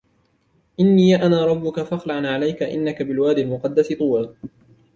إِنِّي أَنَا رَبُّكَ فَاخْلَعْ نَعْلَيْكَ إِنَّكَ بِالْوَادِ الْمُقَدَّسِ طُوًى